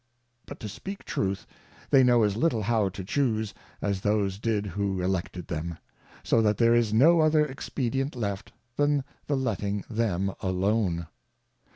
But to speak Truth, they know as little how to chuse, as those did who Elected them ; so that there is no other Expedient left, than the letting them alone.